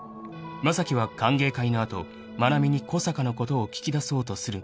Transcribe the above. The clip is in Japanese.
［正樹は歓迎会の後愛菜美に小坂のことを聞きだそうとする］